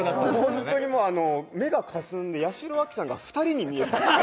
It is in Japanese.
本当に目がかすんで八代亜紀さんが２人に見えるんですよ